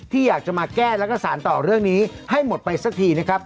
อยากจะมาแก้แล้วก็สารต่อเรื่องนี้ให้หมดไปสักทีนะครับ